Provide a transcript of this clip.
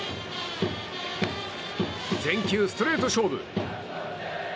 全球ストレート勝負。